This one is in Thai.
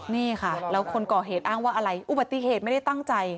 นี่ค่ะแล้วคนก่อเหตุอ้างว่าอะไรอุบัติเหตุไม่ได้ตั้งใจ